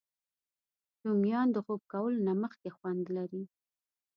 رومیان د خوب کولو نه مخکې خوند لري